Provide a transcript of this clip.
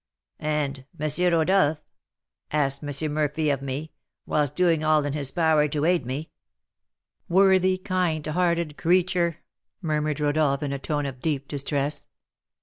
'And M. Rodolph?' asked M. Murphy of me, whilst doing all in his power to aid me " "Worthy, kind hearted creature!" murmured Rodolph, in a tone of deep distress.